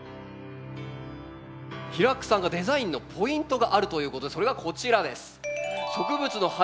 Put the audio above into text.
平工さんがデザインのポイントがあるということでそれがこちらです。